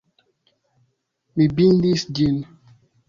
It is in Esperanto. Mi bindis ĝin!